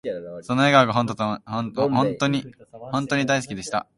その笑顔が本とに大好きでした